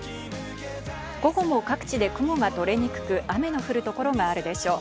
午後も各地で雲が取れにくく雨の降る所があるでしょう。